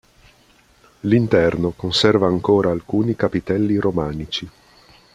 L'interno conserva ancora alcuni capitelli romanici.